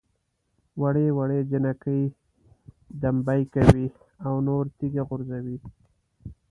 وړې وړې جنکۍ دمبۍ کوي او نور تیږه غورځوي.